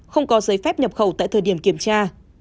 không có giấy phép nhập khẩu tại thời điểm kiểm tra